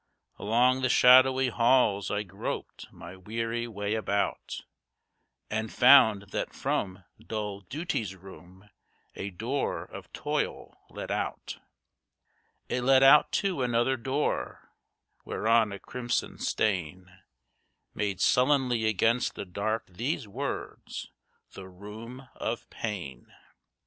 Along the shadowy halls I groped my weary way about, And found that from dull Duty's room, a door of Toil led out. It led out to another door, whereon a crimson stain Made sullenly against the dark these words: "The Room of Pain."